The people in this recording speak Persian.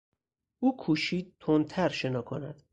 او کوشید تندتر شنا کند.